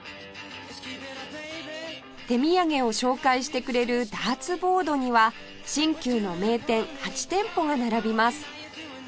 手土産を紹介してくれるダーツボードには新旧の名店８店舗が並びます